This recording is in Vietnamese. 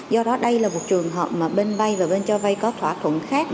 do đó đây là một trường hợp mà bên bay và bên cho vay có thỏa thuận khác